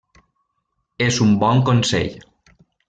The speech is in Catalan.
És un bon consell.